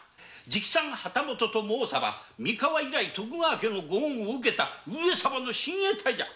直参旗本と申さば三河以来徳川家の御恩顧を受けた上様の親衛隊じゃ！